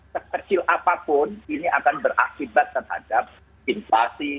ketekil apapun ini akan berakibat terhadap invasi